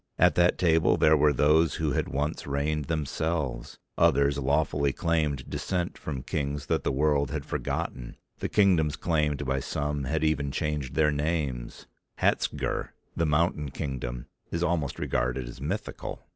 At that table there were those who had once reigned themselves, others lawfully claimed descent from kings that the world had forgotten, the kingdoms claimed by some had even changed their names. Hatzgurh, the mountain kingdom, is almost regarded as mythical.